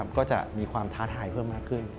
ก็จะมีความท้าทายเพิ่มมากขึ้น